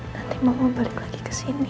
nanti mau balik lagi ke sini